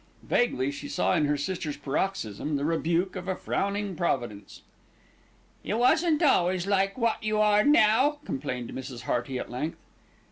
Vaguely she saw in her sister's paroxysm, the rebuke of a frowning Providence. "You wasn't always like wot you are now," complained Mrs. Hearty at length.